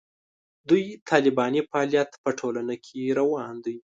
دوی طالباني فعالیت په ټولنه کې روان دی.